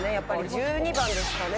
１２番ですかね